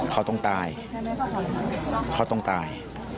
เขาต้องตายเขาต้องตาย